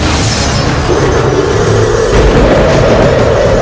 dan menghentikan raiber